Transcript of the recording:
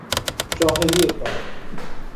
جاهلی کار